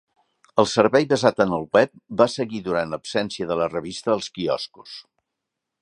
El servei basat en el web va seguir durant l'absència de la revista als quioscos.